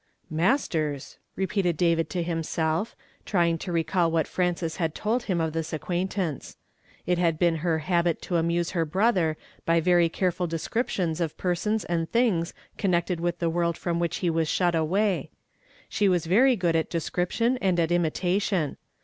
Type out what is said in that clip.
" "j\ TASTERS," ropc'uted Duvid to liimself, try i>l ing to recall what Fi anc es had told him of this acquaintance. It had been her hal.it to an.nse her brother by very careful d(^scril,tions of i)ei>^ons and things coiniected with the world from which he was shut away. She ^^■as very good at de sci iption and at imitation.